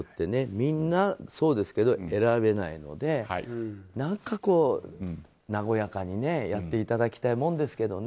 みんなそうですけど選べないので和やかにやっていただきたいものですけどね。